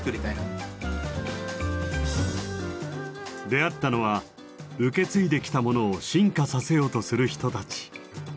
出会ったのは受け継いできたものを進化させようとする人たち。